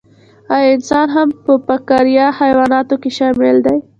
ایا انسان هم په فقاریه حیواناتو کې شامل دی